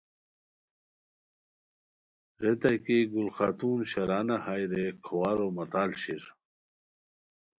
ریتائے کی گُل خاتون شرانہ ہائے رے کھوارو متال شیر